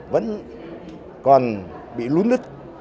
vẫn còn bị lún lứt